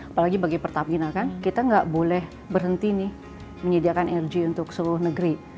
apalagi bagi pertamina kan kita nggak boleh berhenti nih menyediakan energi untuk seluruh negeri